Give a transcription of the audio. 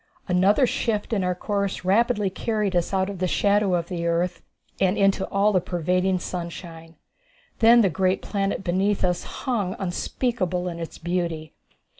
Another shift in our course rapidly carried us out of the shadow of the earth and into the all pervading sunshine. Then the great planet beneath us hung unspeakable in its beauty.